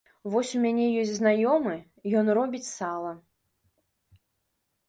Вось у мяне ёсць знаёмы, ён робіць сала.